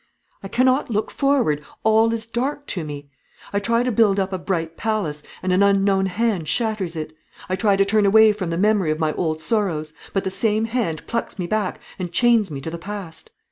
I cannot look forward; all is dark to me. I try to build up a bright palace, and an unknown hand shatters it. I try to turn away from the memory of my old sorrows; but the same hand plucks me back, and chains me to the past.